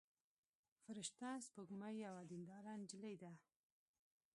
فرشته سپوږمۍ یوه دينداره نجلۍ ده.